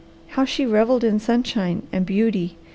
How she revelled in sunshine and beauty!